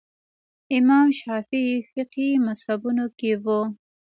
امام شافعي فقهي مذهبونو کې وو